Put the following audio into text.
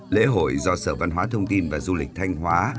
lễ hội do sở văn hóa thông tin và du lịch thanh hóa